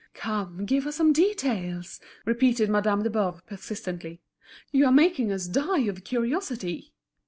"Come, give us some details," repeated Madame de Boves, persistently. "You are making us die of curiosity."